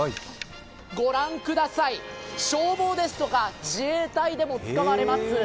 御覧ください、消防ですとか自衛隊でも使われます